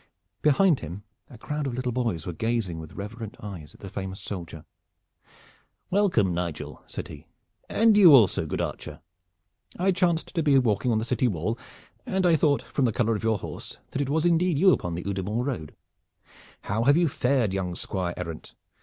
Behind him a crowd of little boys were gazing with reverent eyes at the famous soldier. "Welcome, Nigel!" said he, "and you also, good archer! I chanced to be walking on the city wall, and I thought from the color of your horse that it was indeed you upon the Udimore Road. How have you fared, young squire errant?